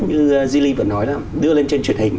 như zilli vừa nói là đưa lên trên truyền hình